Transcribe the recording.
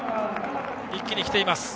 一気に来ています。